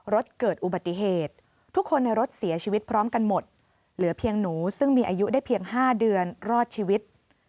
รถเกิดอุบัติเหตุทุกคนในรถเสียชีวิตพร้อมกันหมดเหลือเพียงหนูซึ่งมีอายุได้เพียง๕เดือนรอดชีวิต